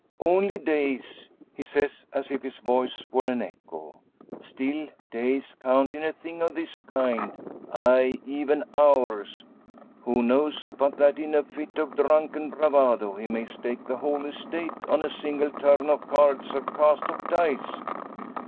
"Only days!" he says, as if his voice were an echo. "Still days count in a thing of this kind aye, even hours. Who knows but that in a fit of drunken bravado he may stake the whole estate on a single turn of cards or cast of dice?